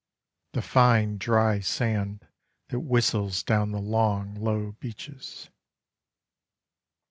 The fine dry sand that whistles Down the long low beaches.